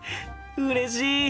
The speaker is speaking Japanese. うれしい！